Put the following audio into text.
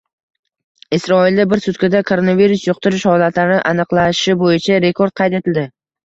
Isroilda bir sutkada koronavirus yuqtirish holatlari aniqlanishi bo‘yicha rekord qayd etildi